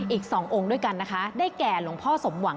อีก๒องค์ด้วยกันนะคะได้แก่หลวงพ่อสมหวัง